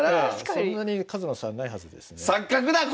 そんなに数の差はないはずですね。